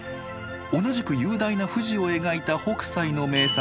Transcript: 同じく雄大な富士を描いた北斎の名作